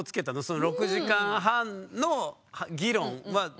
その６時間半の議論は。